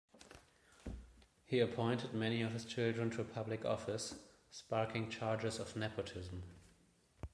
He appointed many of his children to public office, sparking charges of nepotism.